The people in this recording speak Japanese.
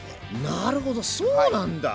なるほどそうなんだ！